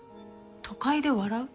『都会で笑う』？